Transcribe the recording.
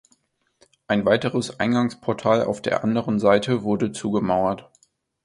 Ein weiteres Eingangsportal auf der anderen Seite wurde zugemauert.